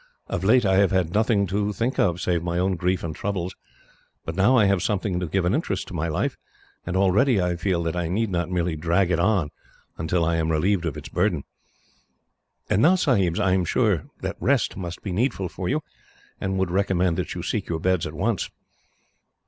Of late I have had nothing to think of, save my own grief and troubles, but now I have something to give an interest to my life, and already I feel that I need not merely drag it on, until I am relieved of its burden. "And now, Sahibs, I am sure that rest must be needful for you, and would recommend that you seek your beds at once."